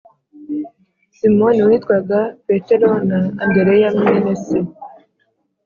Simoni witwaga Petero na Andereya mwene se